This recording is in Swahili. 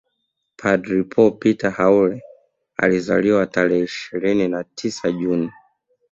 Padre Paul Peter Haule alizaliwa tarehe ishirini na tisa juni